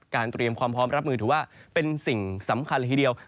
เตรียมความพร้อมรับมือถือว่าเป็นสิ่งสำคัญเลยทีเดียว